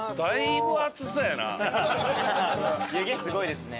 湯気すごいですね。